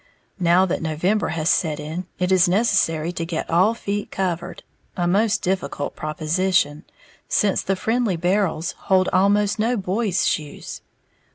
Now that November has set in, it is necessary to get all feet covered, a most difficult proposition, since the friendly barrels hold almost no boys' shoes.